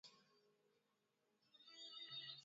kuleta utulivu na mapambano dhidi ya ugaidi